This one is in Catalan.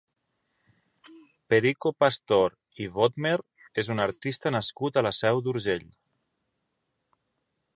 Perico Pastor i Bodmer és un artista nascut a la Seu d'Urgell.